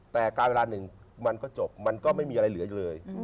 แต่กลายเวลาหนึ่งมันก็จบมันก็ไม่มีอะไรเหลืออีกเลย